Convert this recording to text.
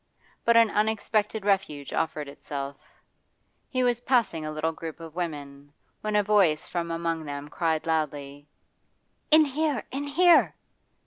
But an unexpected refuge offered itself. He was passing a little group of women, when a voice from among them cried loudly 'In here! In here!